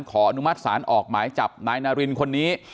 อนุมัติศาลออกหมายจับนายนารินคนนี้